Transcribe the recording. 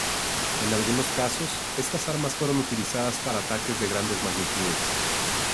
En algunos casos, estas armas fueron utilizadas para ataques de grandes magnitudes.